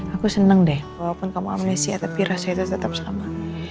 aku senang deh walaupun kamu amnesia tapi rasa itu tetap sama